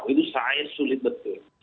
itu seayat sulit betul